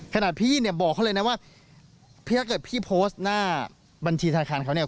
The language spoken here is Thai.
ขนาดพี่เนี่ยบอกเขาเลยนะว่าถ้าเกิดพี่โพสต์หน้าบัญชีธนาคารเขาเนี่ย